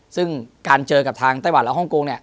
ซึ่งการเจอกับทางไต้หวันและฮ่องกงเนี่ย